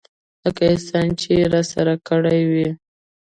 لکه احسان چې يې راسره کړى وي.